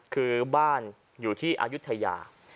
คือบ้านอยู่ที่อายุทยา